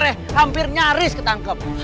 hampir nyaris ketangkep